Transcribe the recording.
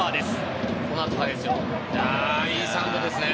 いいサンドですね！